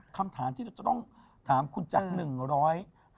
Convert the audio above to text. คำถามที่เราจะต้องถามคุณจาก๑๕๐กิโลกรัม